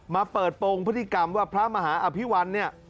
มาเปิดโปรงพฤติกรรมว่าพระมหาอภิวัลเนี่ย